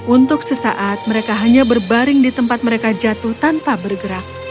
untuk sesaat mereka hanya berbaring di tempat mereka jatuh tanpa bergerak